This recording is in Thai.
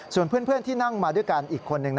ส่วนเพื่อนที่นั่งมาด้วยกันอีกคนนึง